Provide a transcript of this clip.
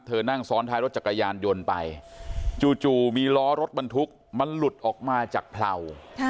นั่งซ้อนท้ายรถจักรยานยนต์ไปจู่มีล้อรถบรรทุกมันหลุดออกมาจากเผลา